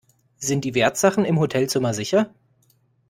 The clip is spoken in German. Sind die Wertsachen im Hotelzimmer sicher?